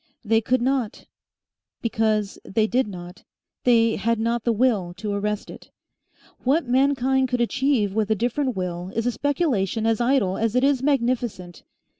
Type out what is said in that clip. They could not, because they did not, they had not the will to arrest it. What mankind could achieve with a different will is a speculation as idle as it is magnificent.